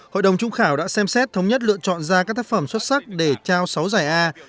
hội đồng trung khảo đã xem xét thống nhất lựa chọn ra các tác phẩm xuất sắc để trao sáu giải a